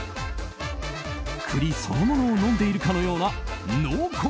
栗そのものを飲んでいるかのような濃厚！